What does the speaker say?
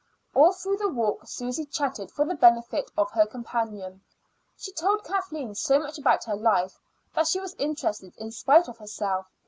All through the walk Susy chatted for the benefit of her companion. She told Kathleen so much about her life that she was interested in spite of herself!